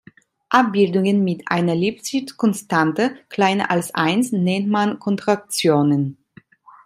Abbildungen mit einer Lipschitz-Konstante kleiner als eins nennt man Kontraktionen.